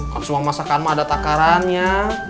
kalau semua masakanmu ada takarannya